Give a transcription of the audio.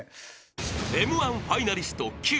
［Ｍ−１ファイナリストキュウ］